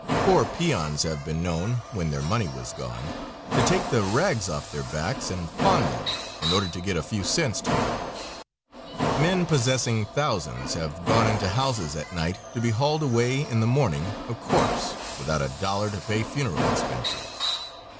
Poor peons have been known, when their money was gone, to take the rags off their backs and pawn them in order to get a few cents to lose. Men possessing thousands have gone into houses at night to be hauled away in the morning a corpse, without a dollar to pay funeral expenses.